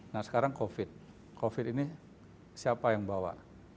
nah sekarang covid covid ini siapa yang bawa